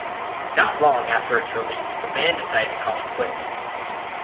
Not long after its release, the band decided to call it quits.